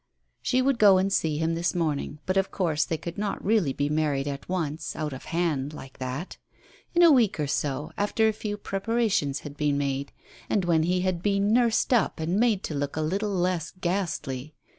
She would go and see him this morning, but of course they could not really be married at once, out of hand, like that. In a week or so, after a few preparations had been made and when he had been nursed up and made to look a little less ghastly.